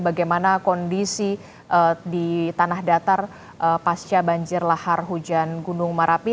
bagaimana kondisi di tanah datar pasca banjir lahar hujan gunung merapi